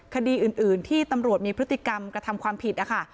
คดีอื่นที่ตำรวจมีพฤติกรรมกระทำความผิดนะคะ